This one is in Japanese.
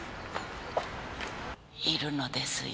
いるのですよ